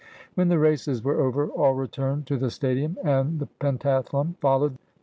When the races were over, all returned to the sta dium, and the pentatlilum followed.